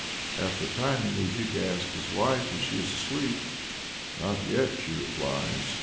After a time the moujik asks his wife if she is asleep. "Not yet," she replies.